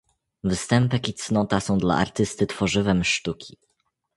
Występek i cnota są dla artysty tworzywem sztuki.